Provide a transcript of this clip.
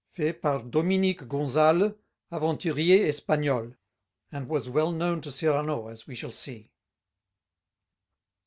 fait par Dominique Gonzales, aventurier espagnol," and was well known to Cyrano, as we shall see.